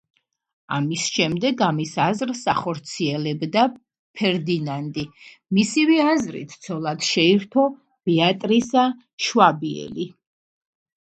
ამის შემდეგ მის აზრს ახორციელებდა ფერდინანდი, მისივე აზრით ცოლად შეირთო ბეატრისა შვაბიელი.